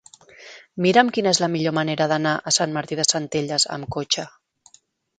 Mira'm quina és la millor manera d'anar a Sant Martí de Centelles amb cotxe.